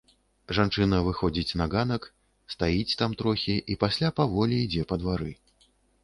Жанчына выходзіць на ганак, стаіць там трохі і пасля паволі ідзе па двары.